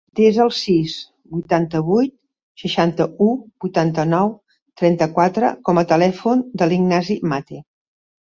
Desa el sis, vuitanta-vuit, seixanta-u, vuitanta-nou, trenta-quatre com a telèfon de l'Ignasi Mate.